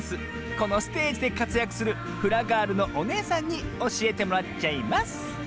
このステージでかつやくするフラガールのおねえさんにおしえてもらっちゃいます